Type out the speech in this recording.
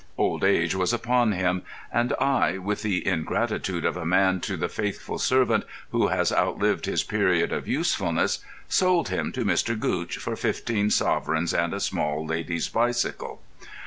Old age was upon him, and I, with the ingratitude of man to the faithful servant who has outlived his period of usefulness, sold him to Mr. Gootch for fifteen sovereigns and a small lady's bicycle.